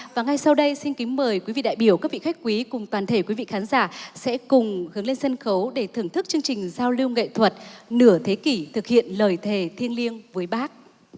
và ngay sau đây xin kính mời quý vị đại biểu các vị khách quý cùng toàn thể quý vị khán giả sẽ cùng hướng lên sân khấu để thưởng thức chương trình giao lưu nghệ thuật nửa thế kỷ thực hiện lời thề thiêng liêng với bác